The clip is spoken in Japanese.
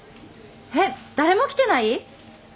え⁉誰も来てない？